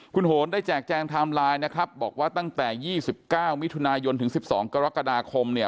คุณโหนได้แจกแจงไทม์ไลน์นะครับบอกว่าตั้งแต่๒๙มิถุนายนถึง๑๒กรกฎาคมเนี่ย